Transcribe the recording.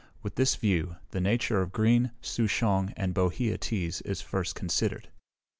With this view, the Nature of Green, Souchong, and Bohea teas is first considered.